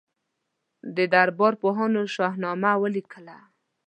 د دربار پوهانو شاهنامه ولیکله.